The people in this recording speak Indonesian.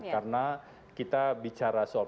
karena kita bicara seolah olah